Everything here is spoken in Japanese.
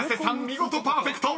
見事パーフェクト］